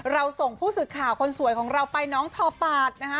ส่งผู้สื่อข่าวคนสวยของเราไปน้องทอปาดนะคะ